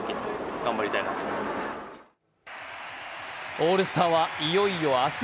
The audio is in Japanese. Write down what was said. オールスターは、いよいよ明日。